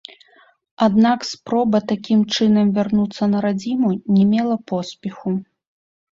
Аднак спроба такім чынам вярнуцца на радзіму не мела поспеху.